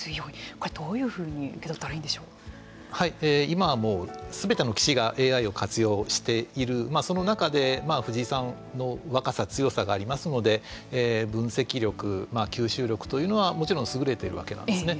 これ、どういうふうに今はもうすべての棋士がＡＩを活用していてその中で藤井さんの若さ強さがありますので分析力吸収力というのはもちろん優れているわけなんですね。